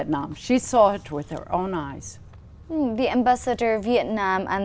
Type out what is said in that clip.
cách xây dựng phương pháp phát triển năng lượng